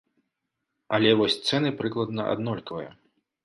Але вось цэны прыкладна аднолькавыя.